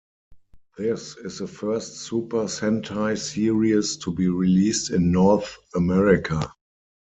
This is the first Super Sentai Series to be released in North America.